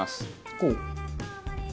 こう？